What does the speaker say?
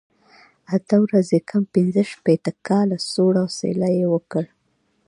اته ورځې کم پنځه شپېته کاله، سوړ اسویلی یې وکړ.